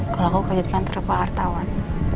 kalau aku kerjadikan terdepa hartawan